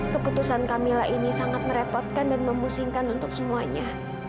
keputusan camillah ini sangat merepotkan dan memusingkan untuk semuanya